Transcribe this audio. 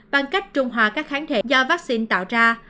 bằng cách trung hòa các kháng thể do vaccine tạo ra